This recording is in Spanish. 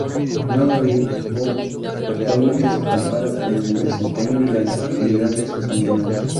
Nada vivo actualmente se compara con el desempeño y la agilidad de estos animales.